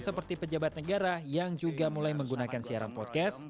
seperti pejabat negara yang juga mulai menggunakan siaran podcast